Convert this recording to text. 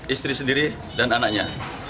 istri sendiri dan anaknya